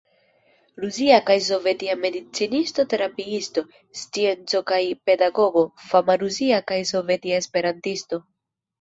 Rusia kaj sovetia medicinisto-terapiisto, sciencisto kaj pedagogo, fama rusia kaj sovetia esperantisto.